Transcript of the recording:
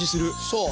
そう。